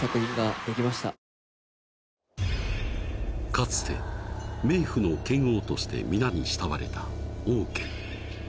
［かつて冥府の剣王として皆に慕われたオウケン］